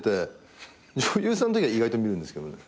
女優さんときは意外と見るんですけどね。